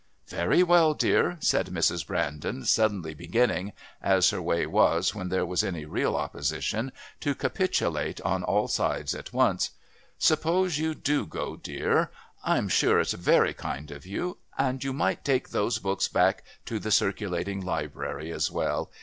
"Very well, dear," said Mrs. Brandon, suddenly beginning, as her way was when there was any real opposition, to capitulate on all sides at once. "Suppose you do go, dear. I'm sure it's very kind of you. And you might take those books back to the Circulating Library as well.